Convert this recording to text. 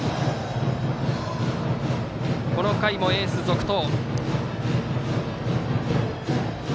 この回もエースが続投。